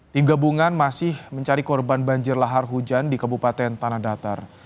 tim gabungan masih mencari korban banjir lahar hujan di kabupaten tanah datar